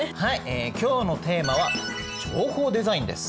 今日のテーマは「情報デザイン」です。